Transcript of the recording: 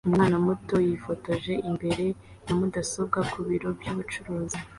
Umwana muto yifotoje imbere ya mudasobwa ku biro byubucuruzi